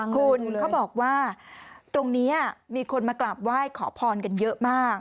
คุณเขาบอกว่าตรงนี้มีคนมากราบไหว้ขอพรกันเยอะมาก